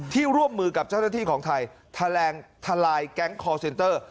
ร่วมมือกับเจ้าหน้าที่ของไทยแถลงทะลายแก๊งคอร์เซนเตอร์